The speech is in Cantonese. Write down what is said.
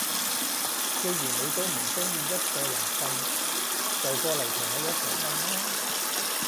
既然你都唔中意一個人瞓，就過嚟同我一齊瞓啦